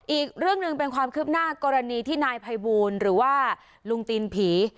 อีกเรื่องหนึ่งเป็นความคืบหน้ากรณีที่นายภัยบูลหรือว่าลุงตีนผี